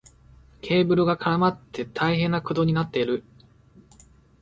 ケーブルが絡まって大変なことになっている。